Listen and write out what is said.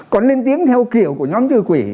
còn lên tiếng theo kiểu của nhóm trừ quỷ